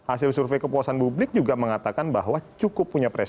hasil survei kepuasan publik juga mengatakan bahwa cukup punya prestasi